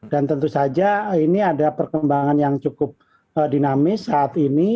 dan tentu saja ini ada perkembangan yang cukup dinamis saat ini